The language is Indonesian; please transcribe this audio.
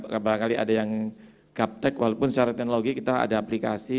kadang kadang ada yang gap tech walaupun secara teknologi kita ada aplikasi